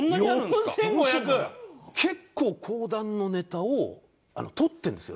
結構講談のネタをとってるんですよ